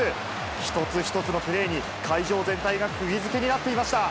一つ一つのプレーに、会場全体がくぎづけになっていました。